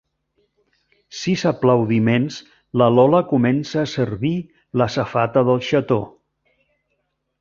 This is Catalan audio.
Sis aplaudiments la Lola comença a servir la safata del xató.